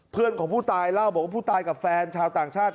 เพื่อนของผู้ตายเล่าบอกว่าผู้ตายกับแฟนชาวต่างชาติ